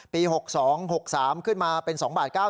๖๒๖๓ขึ้นมาเป็น๒บาท๙๐